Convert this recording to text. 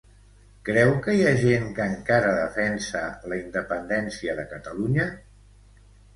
Creu que hi ha gent que encara defensa la independència de Catalunya?